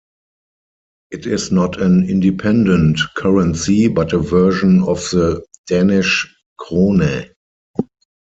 It is not an independent currency but a version of the Danish krone.